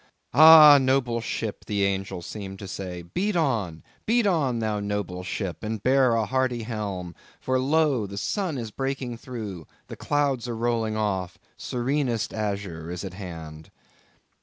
"Ah, noble ship," the angel seemed to say, "beat on, beat on, thou noble ship, and bear a hardy helm; for lo! the sun is breaking through; the clouds are rolling off—serenest azure is at hand."